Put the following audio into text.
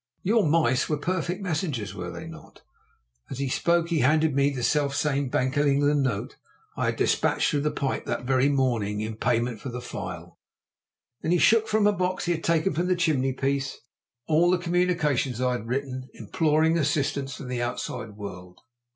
Your mice were perfect messengers, were they not?" As he spoke he handed me the selfsame Bank of England note I had despatched through the pipe that very evening in payment for the file; then he shook from a box he had taken from the chimney piece all the communications I had written imploring assistance from the outside world.